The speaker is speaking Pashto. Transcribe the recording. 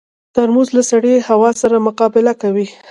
ترموز له سړې هوا سره مقابله کوي.